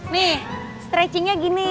nih stretchingnya gini